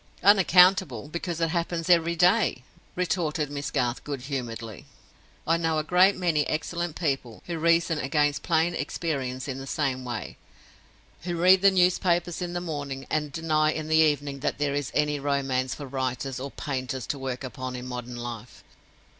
"Unaccountable, because it happens every day!" retorted Miss Garth, good humoredly. "I know a great many excellent people who reason against plain experience in the same way—who read the newspapers in the morning, and deny in the evening that there is any romance for writers or painters to work upon in modern life.